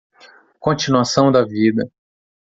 Continuação da vida